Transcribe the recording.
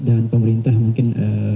dan pemerintah mungkin